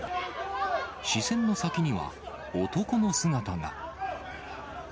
視線の先には男の姿が。